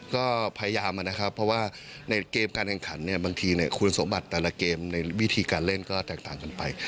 ก็พยายามนะครับเพราะว่าในเกมการแข่งขันเนี่ยบางทีคุณสมบัติแต่ละเกมในวิธีการเล่นก็แตกต่างกันไป